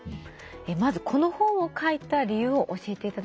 まずこの本を書いた理由を教えていただけますか？